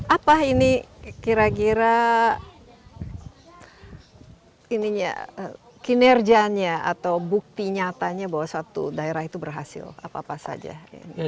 apa ini kira kira kinerjanya atau bukti nyatanya bahwa suatu daerah itu berhasil apa apa saja